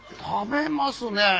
食べますね。